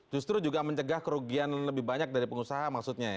justru juga mencegah kerugian lebih banyak dari pengusaha maksudnya ya